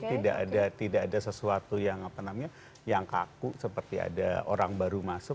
tidak ada sesuatu yang kaku seperti ada orang baru masuk